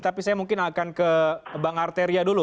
tapi saya mungkin akan ke bang arteria dulu